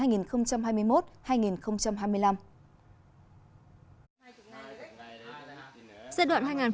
giai đoạn hai nghìn một mươi hai nghìn hai mươi